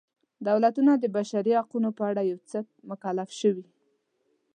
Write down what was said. دولتونه د بشري حقونو په اړه په څه مکلف شوي.